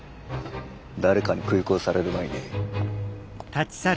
誰かに食い殺される前に。